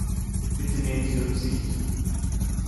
Bitte nehmen Sie Rücksicht!